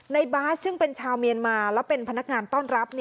บาสซึ่งเป็นชาวเมียนมาแล้วเป็นพนักงานต้อนรับ